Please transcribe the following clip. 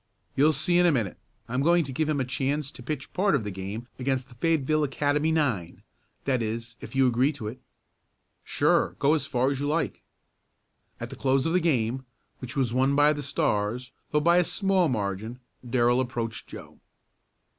"You'll see in a minute. I'm going to give him a chance to pitch part of the game against the Fayetteville Academy nine that is if you agree to it." "Sure, go as far as you like." At the close of the game, which was won by the Stars, though by a small margin, Darrell approached Joe.